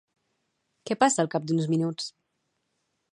Què passa al cap d'uns minuts?